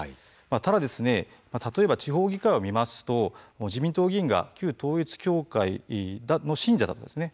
ただ例えば地方議会を見ますと自民党議員が旧統一教会の信者だったんですね。